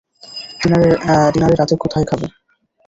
ডিনারে রাতে কোথায় যাব?